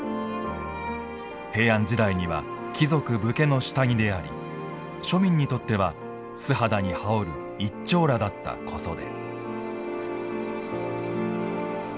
平安時代には貴族・武家の下着であり庶民にとっては、素肌に羽織る一張羅だった小袖。